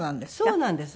そうなんです。